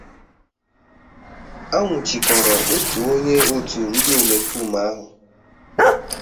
a nwụchikọrọ otu onye òtù ndị omekoome ahụ